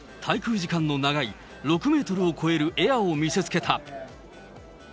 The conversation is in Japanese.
滞空時間の長い６メートルを超えるエアを見せつけた。